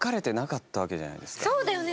そうだよね？